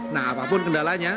nah apapun kendalanya